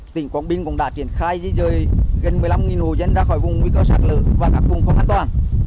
tỉnh quảng bình cũng đã triển khai di dời gần một mươi năm hồ dân ra khỏi vùng nguy cơ sạt lở và các vùng không an toàn